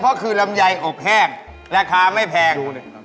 เพราะคือลำยายอบแห้งราคาไม่แพง